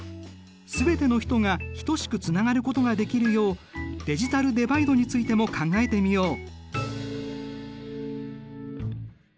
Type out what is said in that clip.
全ての人がひとしくつながることができるようデジタルデバイドについても考えてみよう。